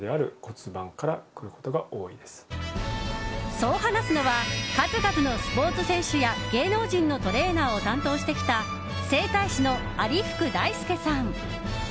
そう話すのは数々のスポーツ選手や芸能人のトレーナーを担当してきた整体師の有福大典さん。